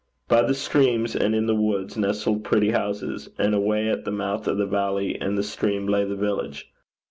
By the streams and in the woods nestled pretty houses; and away at the mouth of the valley and the stream lay the village.